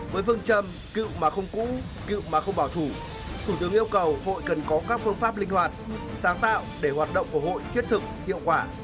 với phương châm cựu mà không cũ cựu mà không bảo thủ thủ tướng yêu cầu hội cần có các phương pháp linh hoạt sáng tạo để hoạt động của hội thiết thực hiệu quả